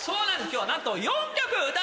今日はなんと。